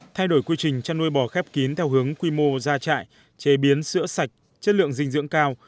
thay đổi quy trình chăn nuôi bò khép kín theo hướng quy mô ra trại chế biến sữa sạch chất lượng dinh dưỡng cao